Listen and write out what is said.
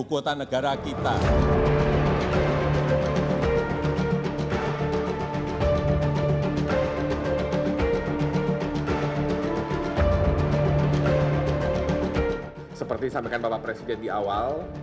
seperti yang disampaikan bapak presiden di awal